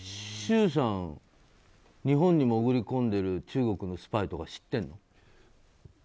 周さん、日本に潜り込んでる中国のスパイとか知ってるの？